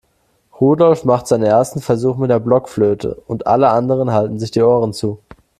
Rudolf macht seine ersten Versuche mit der Blockflöte und alle anderen halten sich die Ohren zu.